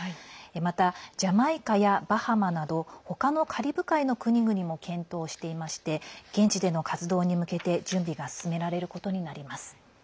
また、ジャマイカやバハマなど他のカリブ海の国々も検討していまして現地での活動に向けて準備が進められることになります。